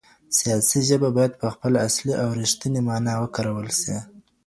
سياسي ژبه بايد په خپله اصلي او رښتينې مانا وکارول سي.